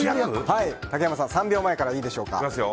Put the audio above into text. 竹山さん、３秒前からいいでしょうか。